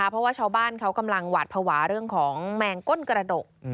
เพราะว่าชาวบ้านเขากำลังหวาดภาวะเรื่องของแมงก้นกระดก